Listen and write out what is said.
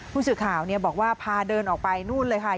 ผู้สื่อข่าวบอกว่าพาเดินออกไปนู่นเลยค่ะ